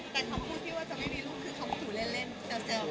แต่คำคู่ที่ว่าจะไม่มีลูกคือคำคู่เล่นเจ๋ว